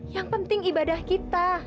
yang penting ibadah kita